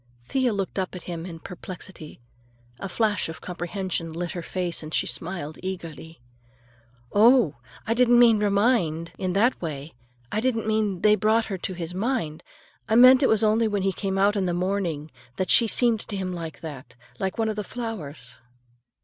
Thea looked up at him in perplexity. A flash of comprehension lit her face and she smiled eagerly. "Oh, I didn't mean 'remind' in that way! I didn't mean they brought her to his mind! I meant it was only when he came out in the morning, that she seemed to him like that,—like one of the flowers."